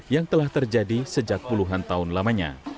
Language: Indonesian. yang telah terjadi sejak puluhan tahun lamanya